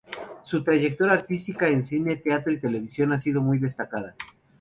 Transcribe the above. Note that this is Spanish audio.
Su trayectoria artística en cine, teatro y televisión ha sido muy destacada.